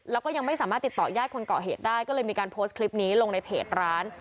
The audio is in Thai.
แล้วก็ยังไม่สามารถติดต่อยาดคนเกาะเหตุได้ก็เลยมีการโพสต์คลิปนี้ลงในเพจร้าน